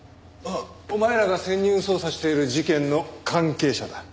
お前らが潜入捜査している事件の関係者だ。